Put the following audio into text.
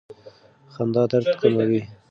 خندا درد کموي.